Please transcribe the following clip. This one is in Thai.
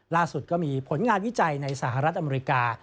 ล่าสุดก็มีผลงานวิจัยในสหรัฐอเมริกา